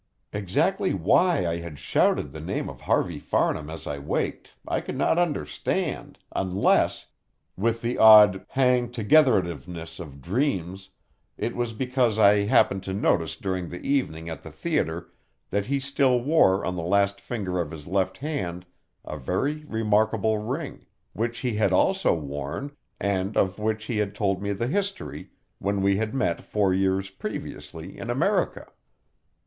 Exactly why I had shouted the name of Harvey Farnham as I waked, I could not understand, unless with the odd "hang togetherativeness" of dreams it was because I had happened to notice during the evening at the theatre that he still wore on the last finger of his left hand a very remarkable ring, which he had also worn, and of which he had told me the history, when we had met four years previously in America.